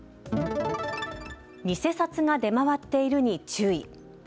偽札が出回っているに注意。